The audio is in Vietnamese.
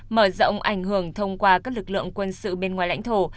mở rộng ảnh hưởng thông qua các lực lượng quân sự bên ngoài lãnh thổ